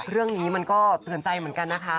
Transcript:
เรื่องนี้มันก็เตือนใจเหมือนกันนะคะ